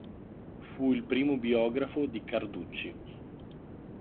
Fu il primo biografo di Carducci.